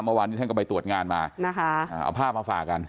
เมื่อวานนี้ท่านก็ไปตรวจงานมานะคะเอาภาพมาฝากกัน